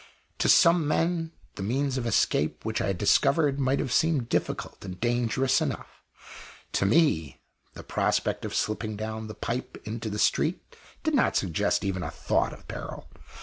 To some men the means of escape which I had discovered might have seemed difficult and dangerous enough to me the prospect of slipping down the pipe into the street did not suggest even a thought of peril.